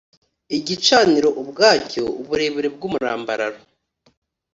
Igicaniro ubwacyo uburebure bw umurambararo